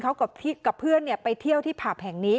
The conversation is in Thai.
เขากับเพื่อนไปเที่ยวที่ผับแห่งนี้